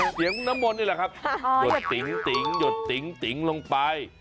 เสียงน้ำมนนี่แหละครับหยดติ๊งติ๊งลงไป